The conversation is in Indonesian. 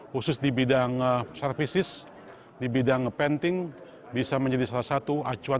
khusus di bidang services di bidang penting bisa menjadi salah satu acuan